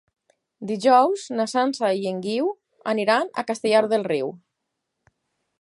Dijous na Sança i en Guiu aniran a Castellar del Riu.